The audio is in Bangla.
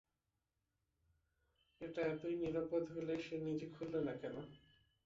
এটা এতোই নিরাপদ হলে, সে নিজে খুললো না কেন?